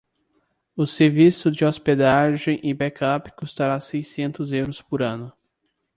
O serviço de hospedagem e backup custará seiscentos euros por ano.